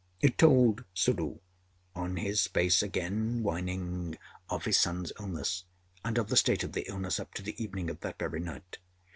It told Suddhoo, on his face again whining, of his son's illness and of the state of the illness up to the evening of that very night.